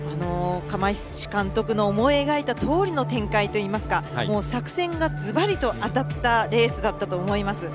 釜石監督の思い描いたとおりの展開といいますか作戦がズバリと当たったレースだったと思います。